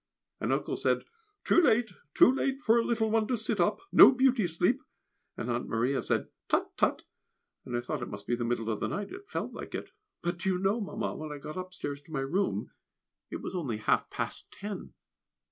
And Uncle said, "Too late, too late for a little one to sit up no beauty sleep!" And Aunt Maria said, "Tut, tut!" and I thought it must be the middle of the night it felt like it. But do you know, Mamma, when I got upstairs to my room it was only _half past ten!